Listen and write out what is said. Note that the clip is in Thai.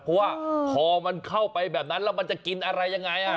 เพราะว่าพอมันเข้าไปแบบนั้นแล้วมันจะกินอะไรยังไง